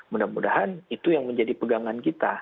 mudah mudahan itu yang menjadi pegangan kita